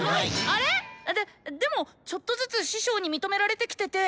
あれ⁉ででもちょっとずつ師匠に認められてきてて。